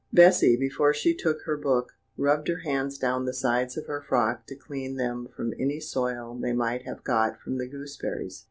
Bessy, before she took her book, rubbed her hands down the sides of her frock to clean them from any soil they might have got from the gooseberries.